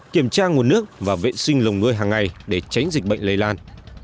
kiểm tra nguồn nước và vệ sinh lồng nuôi hàng ngày để tránh dịch bệnh lây lan